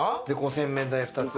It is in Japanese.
洗面台２つ。